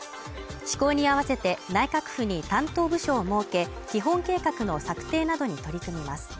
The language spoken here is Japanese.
施行に合わせて内閣府に担当部署を設け、基本計画の策定などに取り組みます。